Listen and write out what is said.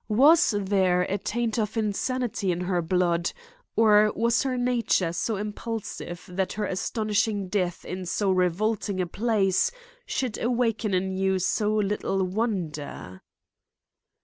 Was there a taint of insanity in her blood, or was her nature so impulsive that her astonishing death in so revolting a place should awaken in you so little wonder?"